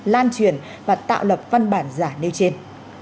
lan truyền và tạo lập văn bản giả nêu trên